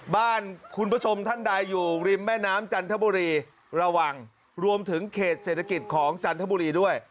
บ้านคุณผู้ชมท่านใดอยู่ริมแม่น้ำจันทบุรีระวังรวมถึงเขตเศรษฐกิจของจันทบุรีด้วย